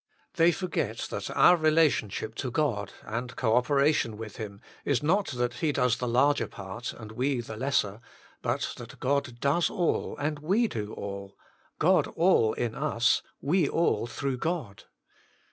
They forget that our relationship to God, and co operation with Him, 98 THE MINISTRY OF INTERCESSION is not that He does the larger part and we the lesser, but that God does all and we do all God all in us, we all through God.